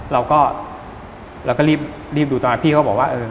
เราก็รีบดูตอนนั้นพี่เขาบอกว่า